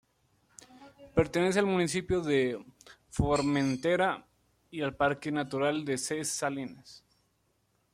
Pertenece al municipio de Formentera y al parque natural de Ses Salines.